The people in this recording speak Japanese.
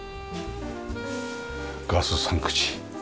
ガス３口。